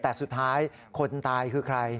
แต่สุดท้ายคนตายคือใคร